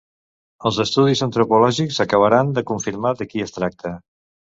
Els estudis antropològics acabaran de confirmar de qui es tracta.